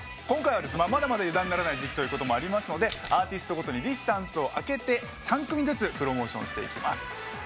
今回はまだまだ油断ならない時期ということもありますのでアーティストごとにディスタンスを空けて３組ずつプロモーションしていきます。